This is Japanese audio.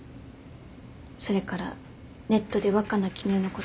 それからネットで若菜絹代のことを。